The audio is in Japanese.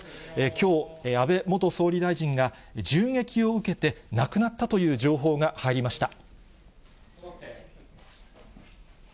きょう、安倍元総理大臣が、銃撃を受けて、亡くなったという情報が入りました。